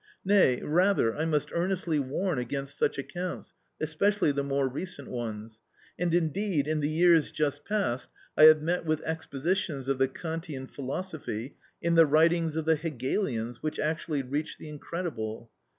Nay, rather I must earnestly warn against such accounts, especially the more recent ones; and indeed in the years just past I have met with expositions of the Kantian philosophy in the writings of the Hegelians which actually reach the incredible.